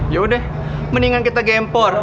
yaudah mendingan kita gempor